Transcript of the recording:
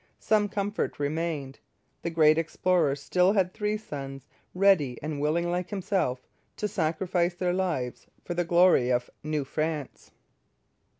Some comfort remained. The great explorer still had three sons, ready and willing like himself to sacrifice their lives for the glory of New France.